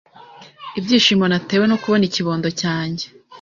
ibyishimo natewe no kubona ikibondo cyanjye